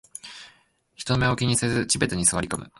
人目を気にせず地べたに座りこむ